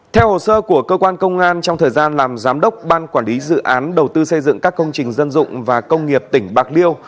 theo hồ sơ của cơ quan công an trong thời gian làm giám đốc ban quản lý dự án đầu tư xây dựng các công trình dân dụng và công nghiệp tỉnh bạc liêu